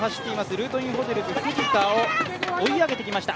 ルートインホテルズ、藤田を追い上げてきました。